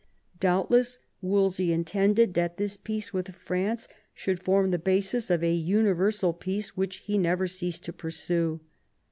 Doubtless Wolsey intended that this peace with France should form the basis of a universal peace, which he never ceased to pursue.